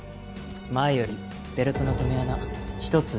前よりベルトの留め穴１つ後ろだし。